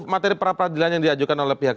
materi perapradilan yang diajukan oleh pihak